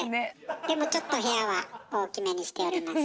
でもちょっと部屋は大きめにしております。